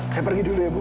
saya pergi dulu ya bu